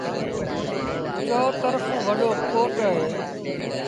چئو ترڦ وڏو ڪوٽ اهي۔